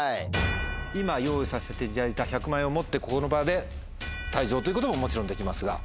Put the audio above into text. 今用意させていただいた１００万円を持ってこの場で退場ということももちろんできますが。